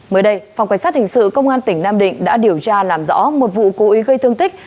mới đây phòng cảnh sát hình sự công an tỉnh nam định đã điều tra làm rõ một vụ cố ý gây thương tích